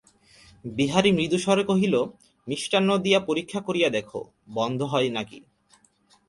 বিহারী মৃদুস্বরে কহিল, মিষ্টান্ন দিয়া পরীক্ষা করিয়া দেখো, বন্ধ হয় কি না।